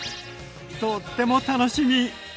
とっても楽しみ！